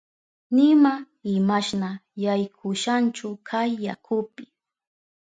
Nima imashna yaykushanchu kay yakupi.